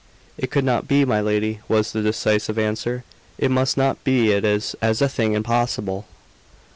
"It could not be, my lady," was the decisive answer. "It must not be. It is as a thing impossible."